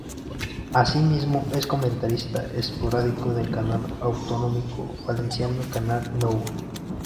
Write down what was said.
Asimismo es comentarista esporádico del canal autonómico valenciano Canal Nou.